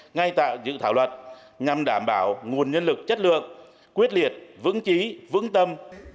ngay tại dự thảo luật nhằm đảm bảo nguồn nhân lực chất lượng quyết liệt vững chí vững tâm